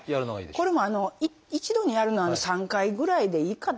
これも一度にやるのは３回ぐらいでいいかと思います。